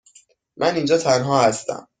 من اینجا تنها هستم.